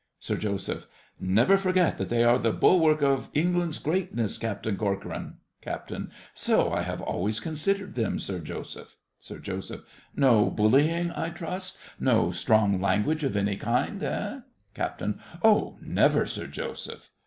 SIR JOSEPH, Never forget that they are the bulwarks of England's greatness, Captain Corcoran. CAPT. So I have always considered them, Sir Joseph. SIR JOSEPH. No bullying, I trust—no strong language of any kind, eh? CAPT. Oh, never, Sir Joseph.